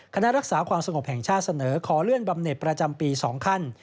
คณะรักษาความสงบแห่งชาติเสนอขอเลื่อนบำเน็ตประจำปี๒ขั้น